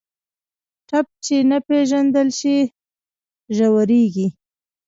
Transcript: ټپ چې نه پېژندل شي، ژورېږي.